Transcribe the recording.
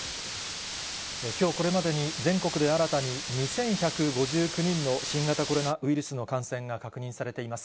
きょうこれまでに全国で新たに２１５９人の新型コロナウイルスの感染が確認されています。